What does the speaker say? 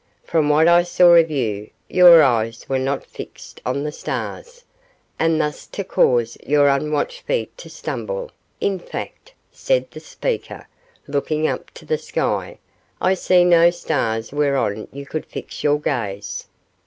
From what I saw of you, your eyes were not fixed on the stars, and thus to cause your unwatched feet to stumble; in fact,' said the speaker, looking up to the sky, 'I see no stars whereon you could fix your gaze.